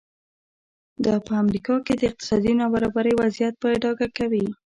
دا په امریکا کې د اقتصادي نابرابرۍ وضعیت په ډاګه کوي.